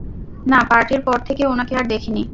না, পার্টির পর থেকে উনাকে আর দেখিনি।